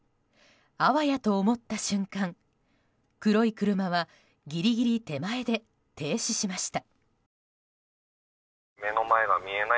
あわやと思った瞬間、黒い車はギリギリ手前で停止しました。